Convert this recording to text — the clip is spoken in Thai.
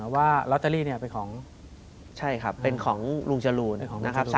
ว่าลอตเตอรี่เนี่ยเป็นของใช่ครับเป็นของลุงจรูนนะครับ